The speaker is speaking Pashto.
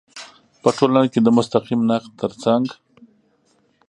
په ټولنه کې د مستقیم نقد تر څنګ